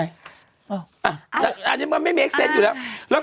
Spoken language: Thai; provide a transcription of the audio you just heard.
อันนี้แพ้อยู่แล้ว